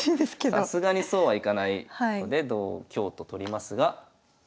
さすがにそうはいかないので同香と取りますが。